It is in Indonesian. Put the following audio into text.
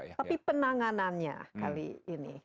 tapi penanganannya kali ini